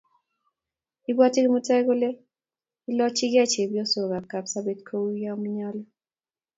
Ibwoti Kimutai kole ilochigei chepyosok ab Kapsabet kouyo manyolu